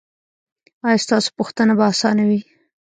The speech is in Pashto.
ایا ستاسو پوښتنه به اسانه وي؟